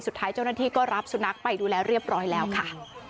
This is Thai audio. สุดท้ายเจ้าหน้าที่ก็รับสุนัขไปดูแลเรียบร้อยแล้วค่ะ